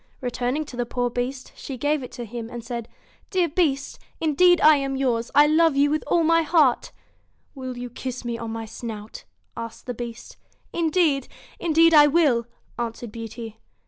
Returning to the poor Beast, she gave it him, and said :' Dear Beast ! indeed I am yours. I love you with all my heart' 'Will you kiss me on my snout? ' asked the Beast 'Indeed indeed I will,' answered Beauty.